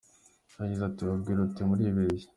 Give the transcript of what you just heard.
Yagize ati “Babwire uti ‘muribeshya !